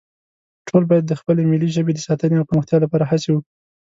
ټول باید د خپلې ملي ژبې د ساتنې او پرمختیا لپاره هڅې وکړو